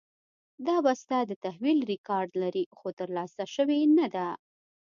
دا بسته د تحویل ریکارډ لري، خو لا ترلاسه شوې نه ده.